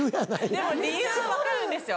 でも理由は分かるんですよ